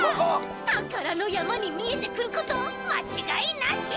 たからのやまにみえてくることまちがいなし！